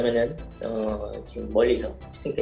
menembak jauh di luar